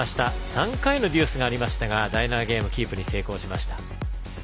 ３回のデュースがありましたが第７ゲームキープに成功しました。